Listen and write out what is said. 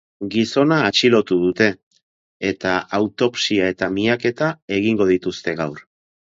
Gizona atxilotu dute, eta autopsia eta miaketa egingo dituzte gaur.